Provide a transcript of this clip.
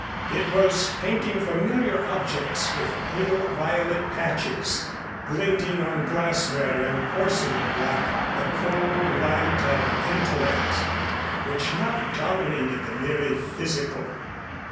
It was painting familiar objects with pale violet patches, glinting on glassware and porcelain like the cold light of intellect, which now dominated the merely physical.